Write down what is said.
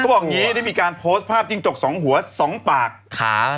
เขาบอกอย่างงี้ได้มีการโพสต์ภาพจริงจกสองหัวสองปากขาเลย